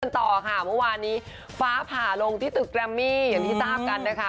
ขันต่อค่ะวันนี้ฟ้าผ้าลงที่ตึ๊กแรมมี่อย่างที่ตาบกันนะคะ